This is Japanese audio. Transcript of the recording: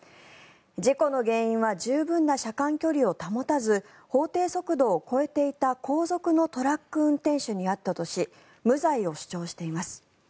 事故の原因は十分な車間距離を保たず法定速度を超えていた後続のトラック運転手にあったとし無罪を主張しています。